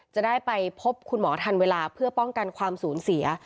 จะได้ไปพบคุณหมอทันเวลาเพื่อป้องกันความสูญเสีย